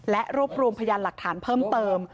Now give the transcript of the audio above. และรวบรวมพยานหลักฐานเพิ่มเติม